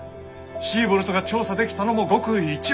シーボルトが調査できたのもごく一部。